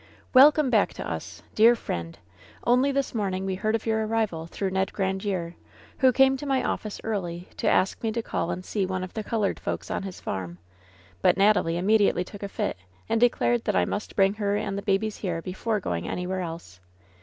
"Welcome back to us ! Dear friend ! Only this morn ing we heard of your arrival through Ned Grandiere, who came to my office early to ask me to call and see one of the colored folks on his farm ; but Natalie imme diately took a fit, and declared that I must bring her and the babies here before going anywhere else!